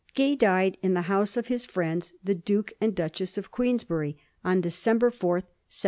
1 n Gay died in the house of his friends, the Duke and Duchess of Queensberry, on December 4, 1732.